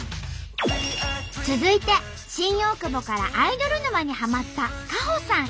続いて新大久保からアイドル沼にハマった香穂さん